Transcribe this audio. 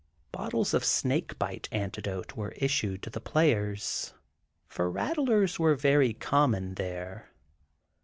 Bottles of snake bite antidote were issued to the players, for rattlers were very common there.